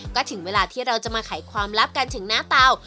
ก็ถึงเวลาที่เราจะมาไขความลับกันถึงหน้าเตา